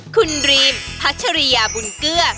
คุณรีมพัชริยาบุญเกลือ